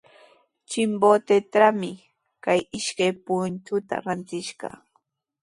Chimbotetrawmi kay ishkay punchuta rantishqaa.